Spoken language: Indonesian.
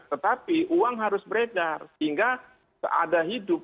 tetapi uang harus beredar sehingga seada hidup